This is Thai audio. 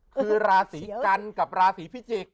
คือลาศีกันกับลาศีพี่เจก